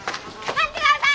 待ってください！